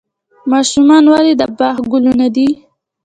ماشومان ولې د باغ ګلونه دي؟